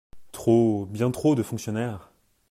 Trop, bien trop de fonctionnaires.